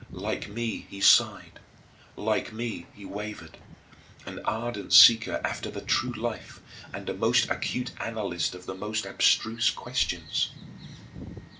Like me, he sighed; like me, he wavered; an ardent seeker after the true life and a most acute analyst of the most abstruse questions.